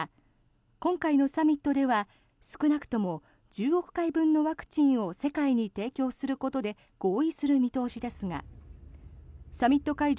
今回のサミットでは少なくとも１０億回分のワクチンを世界に提供することで合意する見通しですがサミット会場